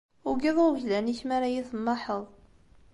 Ugadeɣ uglan-ik mi ara yi-temmaḥeḍ.